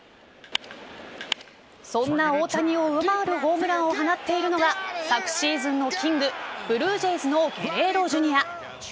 そんな大谷を上回るホームランを放っているのが昨シーズンのキングブルージェイズのゲレーロ・ジュニア。